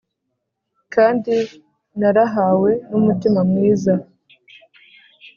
kandi narahawe n’umutima mwiza;